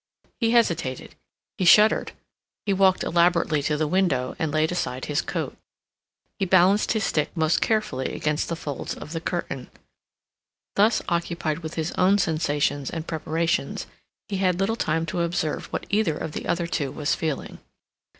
He hesitated; he shuddered; he walked elaborately to the window and laid aside his coat. He balanced his stick most carefully against the folds of the curtain. Thus occupied with his own sensations and preparations, he had little time to observe what either of the other two was feeling.